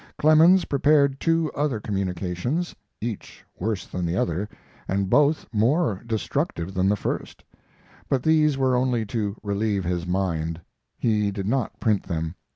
Clemens prepared two other communications, each worse than the other and both more destructive than the first one. But these were only to relieve his mind. He did not print them.